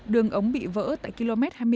đường ống bị vỡ tại km hai mươi một